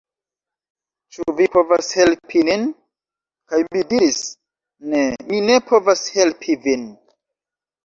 Ĉu vi povas helpi nin?" kaj mi diris: "Ne, mi ne povas helpi vin!